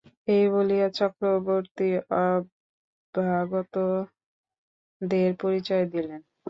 এই বলিয়া চক্রবর্তী অভ্যাগতদের পরিচয় দিলেন।